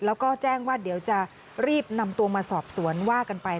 แล้วก็แจ้งว่าเดี๋ยวจะรีบนำตัวมาสอบสวนว่ากันไป